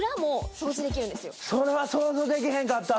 それは想像できへんかったな！